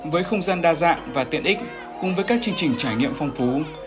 với không gian đa dạng và tiện ích cùng với các chương trình trải nghiệm phong phú